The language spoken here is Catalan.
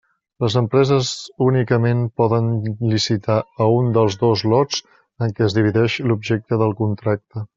Les empreses únicament poden licitar a un dels dos lots en què es divideix l'objecte del contracte.